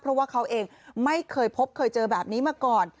เพราะว่าเขาเองไม่เคยพบเคยเจอแบบนี้มาก่อน